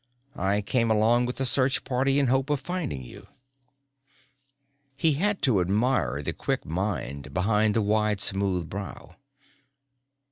I came along with the search party in hope of finding you." He had to admire the quick mind behind the wide smooth brow.